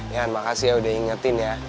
ya makasih ya udah ingetin ya